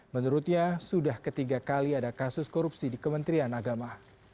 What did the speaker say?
menurutnya sudah ketiga kali ada kasus korupsi di kementerian agama